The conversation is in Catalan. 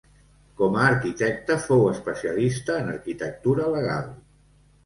Com a arquitecte fou especialista en arquitectura legal.